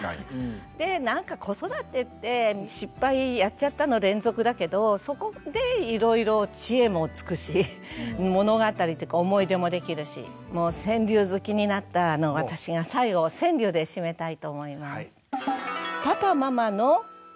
でなんか子育てって失敗やっちゃったの連続だけどそこでいろいろ知恵もつくし物語とか思い出もできるしもう川柳好きになった私が最後川柳で締めたいと思います。